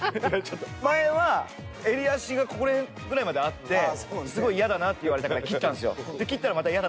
前は襟足がここら辺ぐらいまであってすごい嫌だなって言われたから切ったんですよ。